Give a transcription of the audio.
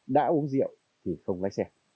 đã uống rượu thì không lái xe